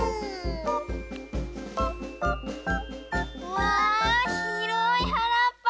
わあひろいはらっぱ。